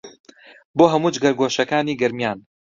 بۆ هەموو جگەرگۆشەکانی گەرمیان